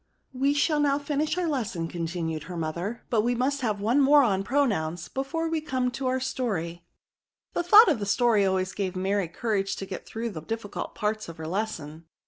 "We shall now finish our lesson," con tinued her mother ;" but we must have one DEMONSTRATIVE PRONOUKS. 187 more on pronouns^ before we come to our story." The thought of a story always gave Mary courage to get through the difficult parts of her lesson.